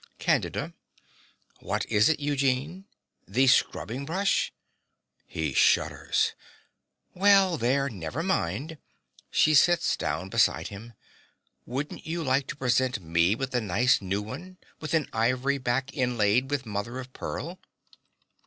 CANDIDA. What is it, Eugene the scrubbing brush? (He shudders.) Well, there! never mind. (She sits down beside him.) Wouldn't you like to present me with a nice new one, with an ivory back inlaid with mother of pearl?